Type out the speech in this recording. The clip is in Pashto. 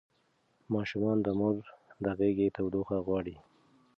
ماشومان د مور د غېږې تودوخه غواړي.